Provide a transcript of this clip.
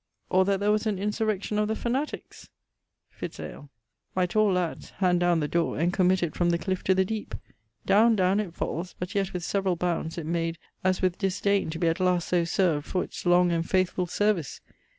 or that there was an insurrection of the fanatiques. Fitz ale. My tall lads hand downe the dore, and committ it from the cliff to the deepe. Downe, downe, it falls; but yet with severall bounds it made as with disdaine to be at last so servd for's long and faithfull service.